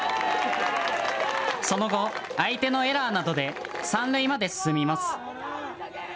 その後、相手のエラーなどで三塁まで進みます。